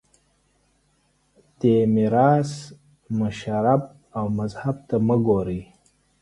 دې میراث مشرب او مذهب ته مه ګورئ